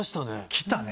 来たね。